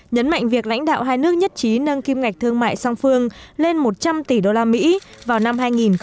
nhấn mạnh việc lãnh đạo hai nước nhất trí nâng kim ngạch thương mại song phương lên một trăm linh tỷ usd vào năm hai nghìn hai mươi